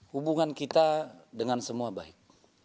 hubungan kita dengan semua baik